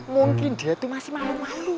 mungkin dia tuh masih malem malem